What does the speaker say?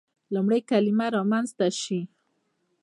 لومړی کلمه رامنځته شي.